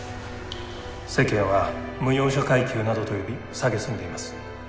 世間は無用者階級などと呼び蔑んでいます。